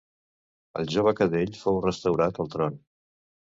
El jove Cadell fou restaurat al tron.